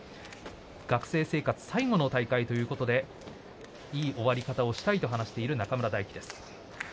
学生生活、最後の大会ということでいい終わり方をしたいと話している、中村泰輝です。